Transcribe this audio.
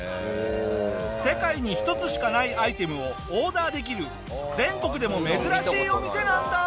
世界に一つしかないアイテムをオーダーできる全国でも珍しいお店なんだ！